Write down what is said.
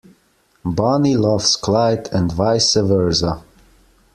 Bonnie loves Clyde and vice versa.